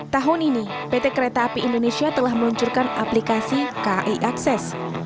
tahun ini pt kereta api indonesia telah meluncurkan aplikasi kai akses